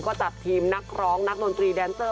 ก็จัดทีมนักร้องนักดนตรีแดนเซอร์